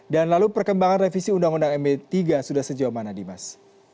dan lalu perkembangan revisi undang undang md tiga sudah sejauh mana dimas